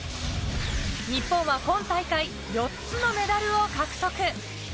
日本は今大会、４つのメダルを獲得。